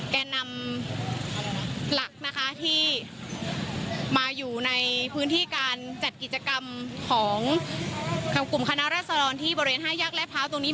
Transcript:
แก่นำหลักนะคะที่มาอยู่ในพื้นที่การจัดกิจกรรมของทางกลุ่มคณะรัศดรที่บริเวณห้าแยกและพร้าวตรงนี้